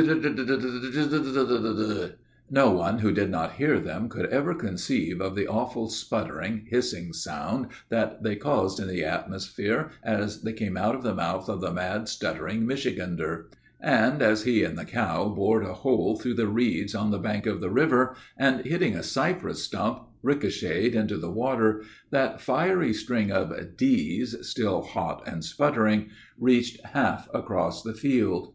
"No one who did not hear them could ever conceive of the awful sputtering, hissing sound that they caused in the atmosphere as they came out of the mouth of the mad and stuttering Michigander; and as he and the cow bored a hole through the reeds on the bank of the river, and, hitting a cypress stump, ricochetted into the water, that fiery string of d's, still hot and sputtering, reached half across the field.